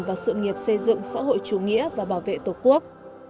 vào sự nghiệp xây dựng xã hội chủ nghĩa và bảo vệ tổ quốc